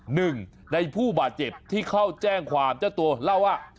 หนึ่งในผู้บาดเจ็บที่เข้าแจ้งความเจ้าตัวเล่าว่า